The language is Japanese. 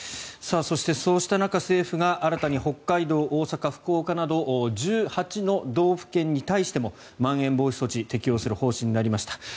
そして、そうした中政府が新たに北海道、大阪、福岡など１８の道府県に対してもまん延防止措置適用する方針になりました。